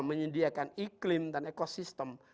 menyediakan iklim dan ekosistem